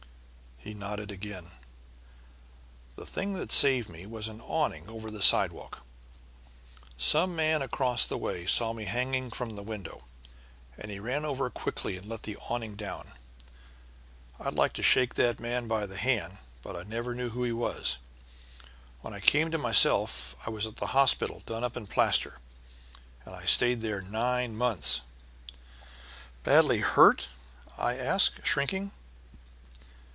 He nodded again. "The thing that saved me was an awning over the sidewalk. Some man across the way saw me hanging from the window, and he ran over quickly and let the awning down. I'd like to shake that man by the hand, but I never knew who he was. When I came to myself I was at the hospital done up in plaster, and I stayed there nine months." "Badly hurt?" I asked, shrinking.